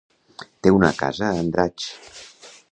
Té una casa a Andratx.